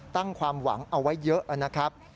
ความหวังเอาไว้เยอะนะครับ